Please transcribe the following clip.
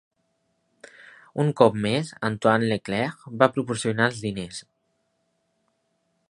Un cop més, Antoine LeClaire va proporcionar els diners.